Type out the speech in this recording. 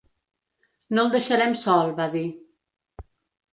No el deixarem sol, va dir.